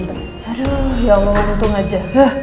aduh ya allah untung aja